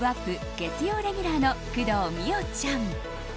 月曜レギュラーの工藤美桜ちゃん。